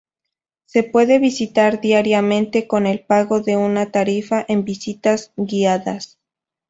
Se puede visitar diariamente con el pago de una tarifa en visitas guiadas.